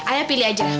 ayah pilih aja lah